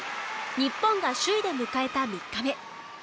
日本が首位で迎えた３日目。